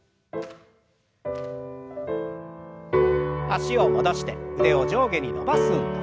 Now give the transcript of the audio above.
脚を戻して腕を上下に伸ばす運動。